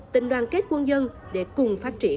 tình đoàn kết quân dân để cùng phát triển